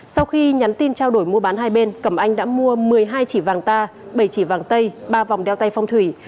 sau khi nhắn tin trao đổi mua bán hai bên cẩm anh đã mua một mươi hai chỉ vàng ta bảy chỉ vàng tây ba vòng đeo tay phong thủy